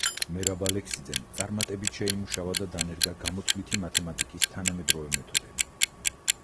მერაბ ალექსიძემ წარმატებით შეიმუშავა და დანერგა გამოთვლითი მათემატიკის თანამედროვე მეთოდები.